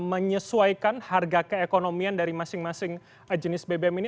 menyesuaikan harga keekonomian dari masing masing jenis bbm ini